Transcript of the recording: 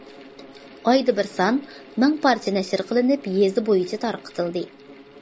ئايدا بىر سان، مىڭ پارچە نەشر قىلىنىپ يېزا بويىچە تارقىتىلدى.